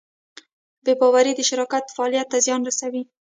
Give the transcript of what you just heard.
بېباورۍ د شرکت فعالیت ته زیان رسوي.